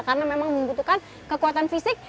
karena memang membutuhkan kekuatan fisik